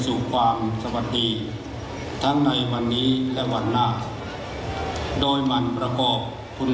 ถือว่าชีวิตที่ผ่านมายังมีความเสียหายแก่ตนและผู้อื่น